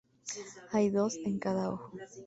Hay dos en cada ojo.